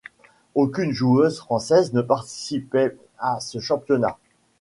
Aucune joueuse française ne participait à ce championnat.